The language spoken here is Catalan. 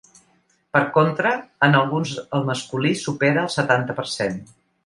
Per contra, en alguns el masculí supera el setanta per cent.